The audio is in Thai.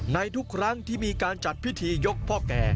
ในทุกครั้งที่มีการจัดพิธียกพ่อแก่